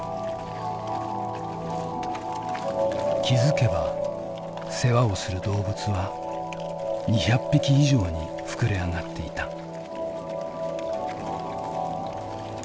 気付けば世話をする動物は２００匹以上に膨れ上がっていた。